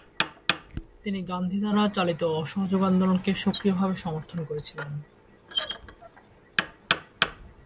তিনি গান্ধী দ্বারা চালিত অসহযোগ আন্দোলনকে সক্রিয়ভাবে সমর্থন করেছিলেন।